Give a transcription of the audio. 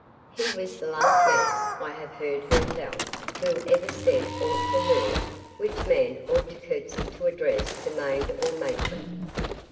He was the last man, I have heard her tell, who ever said aught to her, which man ought in courtesy to address to maid or matron."